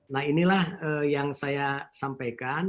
nah inilah yang saya sampaikan